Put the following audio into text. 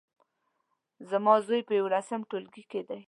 زما زوی په يولسم ټولګي کې دی